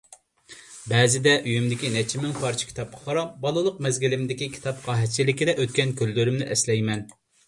بەزىدە ئۆيۈمدىكى نەچچە مىڭ پارچە كىتابقا قاراپ بالىلىق مەزگىلىمدىكى كىتاب قەھەتچىلىكىدە ئۆتكەن كۈنلىرىمنى ئەسلەيمەن.